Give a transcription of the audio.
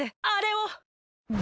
あれを！